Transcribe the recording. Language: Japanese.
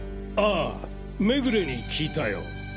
ああ目暮に聞いたよ。